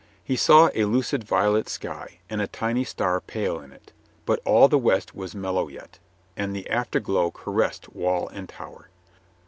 He saw a lucid violet sky, with a tiny star pale in it, but all the west was mellow yet, and the afterglow caressed wall and tower.